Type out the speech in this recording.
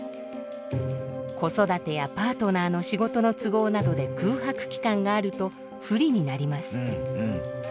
子育てやパートナーの仕事の都合などで空白期間があると不利になります。